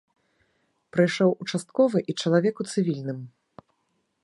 Прыйшоў участковы і чалавек у цывільным.